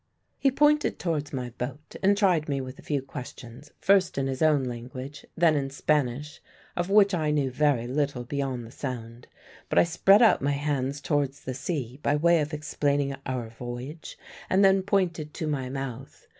"He pointed towards my boat and tried me with a few questions, first in his own language, then in Spanish, of which I knew very little beyond the sound. But I spread out my hands towards the sea, by way of explaining our voyage, and then pointed to my mouth.